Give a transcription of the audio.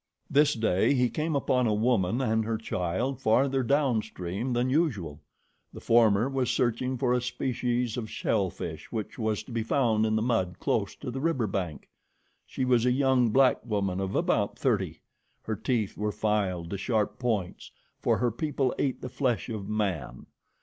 This day he came upon a woman and her child farther down stream than usual. The former was searching for a species of shellfish which was to be found in the mud close to the river bank. She was a young black woman of about thirty. Her teeth were filed to sharp points, for her people ate the flesh of man.